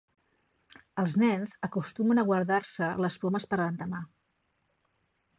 Els nens acostumen a guardar-se les pomes per l'endemà.